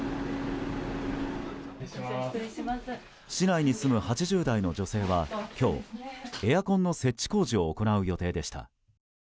市内に住む８０代の女性は今日エアコンの設置工事を行う予定でした。